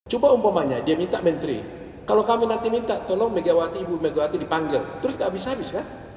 coba umpamanya dia minta menteri kalau kami nanti minta tolong megawati ibu megawati dipanggil terus gak habis habis kan